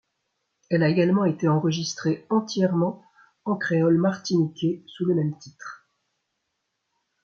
Elle a également été enregistré entièrement en créole martiniquais sous le même titre.